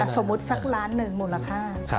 สมมุติสักล้านหนึ่งมูลค่า